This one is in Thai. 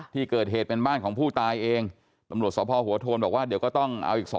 ที่เกิดเป็นบ้านของผู้ตายเองอำรวจสวพครอภัณฑ์บอกว่าเดี๋ยวก็ต้องถูก